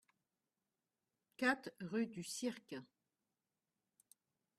quatre rue du Cirque